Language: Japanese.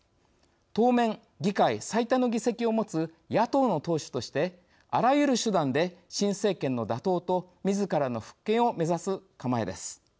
当面、議会最多の議席を持つ野党の党首としてあらゆる手段で新政権の打倒とみずからの復権を目指す構えです。